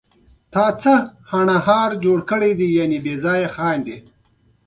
ما پخه کړه خپله ينه